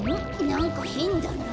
なんかへんだな。